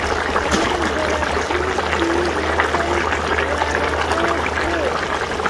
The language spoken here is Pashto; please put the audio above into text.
قلم د راتلونکي نسل لارښود دی